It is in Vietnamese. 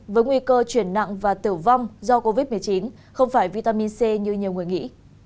với nguy cơ chuyển nặng và tử vong do covid một mươi chín không phải vitamin c như nhiều người nghĩ